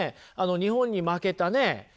日本に負けたね